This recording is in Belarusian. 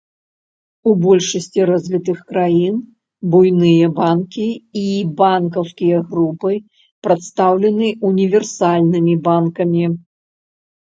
У большасці развітых краін буйныя банкі і банкаўскія групы прадстаўлены універсальнымі банкамі.